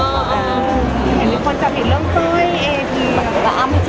อ๋ออ่องมีคนที่ทำให้ร่องจ้อย